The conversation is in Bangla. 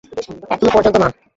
এখনও পর্যন্ত না।